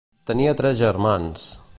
Tenia tres germans.